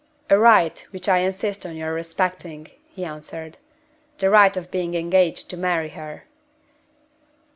"A right which I insist on your respecting," he answered. "The right of being engaged to marry her."